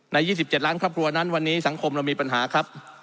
๒๗ล้านครอบครัวนั้นวันนี้สังคมเรามีปัญหาครับ